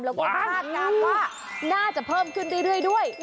แล้วก็คาดการณ์ว่าน่าจะเพิ่มขึ้นเรื่อยด้วย